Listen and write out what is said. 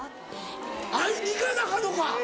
会いに行かなアカンのか。